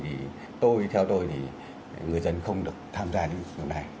thì tôi theo tôi thì người dân không được tham gia đến chỗ này